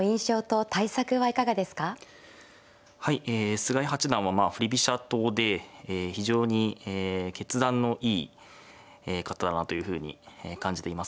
菅井八段は振り飛車党で非常に決断のいい方だなというふうに感じています。